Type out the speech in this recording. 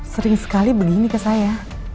sering sekali begini ke saya